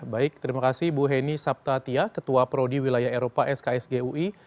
baik terima kasih bu heni sabtatia ketua prodi wilayah eropa sksgui